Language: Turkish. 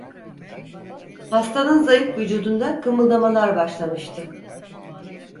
Hastanın zayıf vücudunda kımıldamalar başlamıştı.